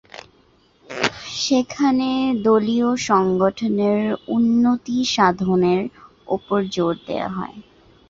সেখানে দলীয় সংগঠনের উন্নতিসাধনের ওপর জোর দেওয়া হয়।